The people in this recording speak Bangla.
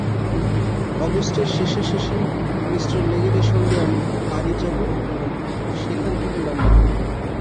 অগষ্টের শেষাশেষি মি লেগেটের সঙ্গে আমি পারি যাব এবং সেখানে থেকে লণ্ডন।